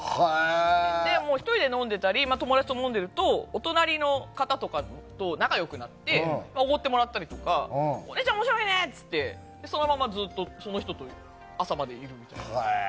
１人で飲んでたり友達と飲んでるとお隣の方とかと仲良くなっておごってもらったりとかお姉ちゃん面白いね！とか言ってそのままずっとその人と朝までいるみたいな。